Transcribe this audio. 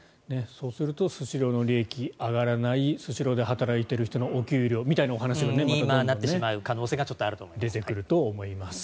そうするとスシローの利益が上がらないスシローで働いている人のお給料がみたいな話に。になってしまう可能性がちょっとあると思います。